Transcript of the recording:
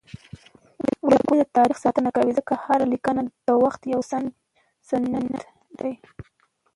لیکوالی د تاریخ ساتنه کوي ځکه هره لیکنه د وخت یو سند دی.